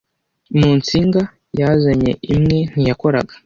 Mu nsinga yazanye imwe ntiyakoraga